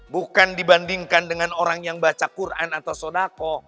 bukan dibandingkan dengan orang yang baca quran atau sonako